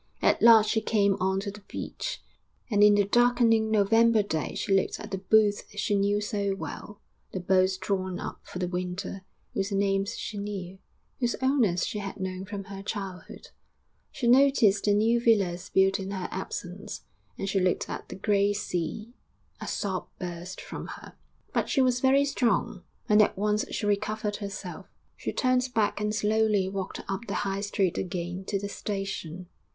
At last she came on to the beach, and in the darkening November day she looked at the booths she knew so well, the boats drawn up for the winter, whose names she knew, whose owners she had known from her childhood; she noticed the new villas built in her absence. And she looked at the grey sea; a sob burst from her; but she was very strong, and at once she recovered herself. She turned back and slowly walked up the High Street again to the station.